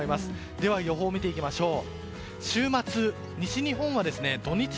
では、予報を見ていきましょう。